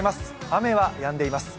雨はやんでいます。